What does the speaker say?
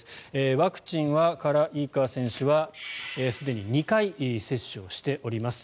ワクチンはカラ・イーカー選手はすでに２回接種をしております。